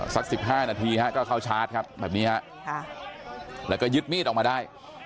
สัก๑๕นาทีฮะก็เข้าชาร์จครับแบบนี้ฮะแล้วก็ยึดมีดออกมาได้